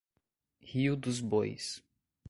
Rio dos Bois